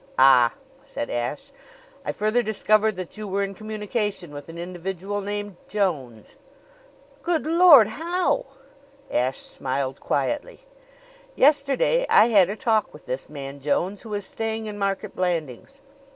"Ah!" said Ashe. "I further discovered that you were in communication with an individual named Jones." "Good Lord! How?" Ashe smiled quietly. "Yesterday I had a talk with this man Jones, who is staying in Market Blandings.